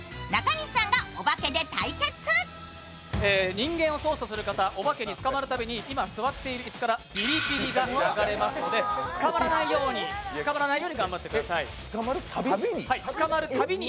ニンゲンを操作する方、オバケにつかまるたびに今座っている椅子からビリビリが流れますので捕まらないように頑張ってください。